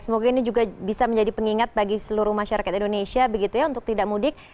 terima kasih juga bisa menjadi pengingat bagi seluruh masyarakat indonesia untuk tidak mudik